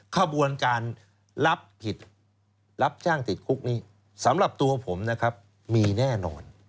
ขบวนการรับผิดรับจ้างติดคุกนี้สำหรับตัวผมนะครับมีแน่นอน